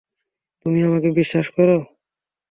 তুমি আমাকে বিশ্বাস করো?